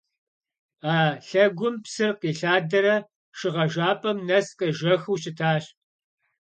А лъэгум псыр къилъадэрэ шыгъэжапӏэм нэс къежэхыу щытащ.